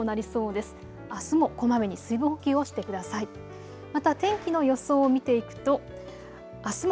あすもこまめに水分補給をしてください。